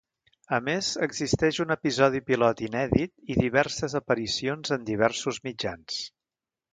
A més, existeix un episodi pilot inèdit i diverses aparicions en diversos mitjans.